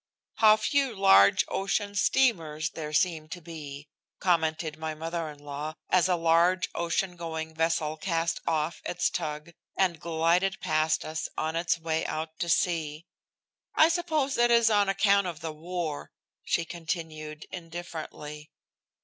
"How few large ocean steamers there seem to be!" commented my mother in law, as a large ocean going vessel cast off its tug and glided past us on its way out to sea. "I suppose it is on account of the war," she continued indifferently.